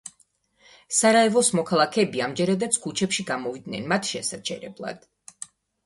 სარაევოს მოქალაქეები ამჯერადაც ქუჩებში გამოვიდნენ მათ შესაჩერებლად.